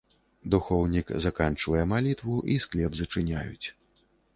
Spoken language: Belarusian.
Духоўнік заканчвае малітву, і склеп зачыняюць.